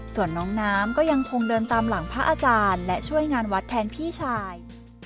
ส่วนน้องน้ำก็ยังคงเดินตามหลังพระอาจารย์และช่วยงานวัดแทนพี่ชาย